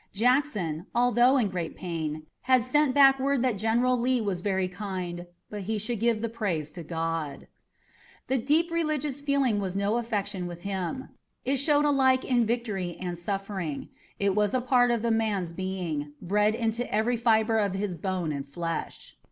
Jackson, although in great pain, had sent back word that General Lee was very kind, "but he should give the praise to God." The deep religious feeling was no affectation with him. It showed alike in victory and suffering. It was a part of the man's being, bred into every fiber of his bone and flesh.